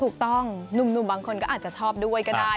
ถูกต้องหนุ่มบางคนก็อาจจะชอบด้วยก็ได้